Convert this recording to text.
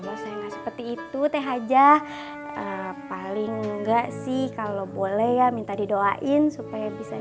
bahwa saya nggak seperti itu teh hajah paling enggak sih kalau boleh ya minta didoain supaya bisa